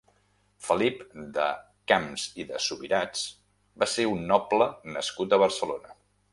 Felip de Camps i de Subirats va ser un noble nascut a Barcelona.